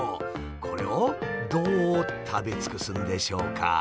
これをどう食べ尽くすんでしょうか？